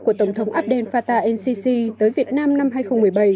của tổng thống abdel fattah el sisi tới việt nam năm hai nghìn một mươi bảy